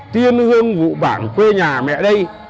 tiên hương vụ bảng quê nhà mẹ đây